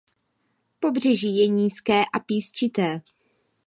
Pobřeží je nízké a písčité.